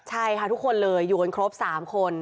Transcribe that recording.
ใช่ค่ะทุกคนเลยอยู่กันครบ๓คน